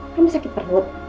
kamu sakit perut